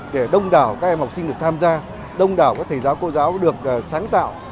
để đông đảo các em học sinh được tham gia đông đảo các thầy giáo cô giáo được sáng tạo